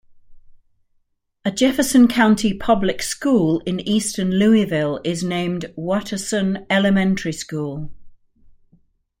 A Jefferson County Public School in eastern Louisville is named Watterson Elementary School.